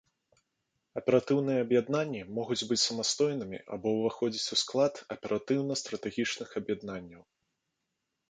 Аператыўныя аб'яднанні могуць быць самастойнымі або ўваходзіць у склад аператыўна-стратэгічных аб'яднанняў.